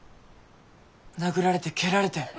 殴られて蹴られて。